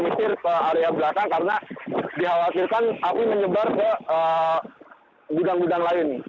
menyisir ke area belakang karena dikhawatirkan api menyebar ke gudang gudang lain